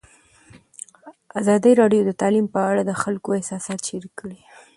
ازادي راډیو د تعلیم په اړه د خلکو احساسات شریک کړي.